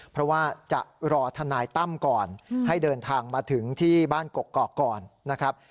เพราะว่าจะรอทนายตั้มก่อนให้เดินทางมาถึงที่บ้านกกอกก่อนนะครับ